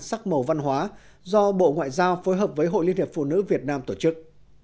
sắc màu văn hóa do bộ ngoại giao phối hợp với hội liên hiệp phụ nữ việt nam tổ chức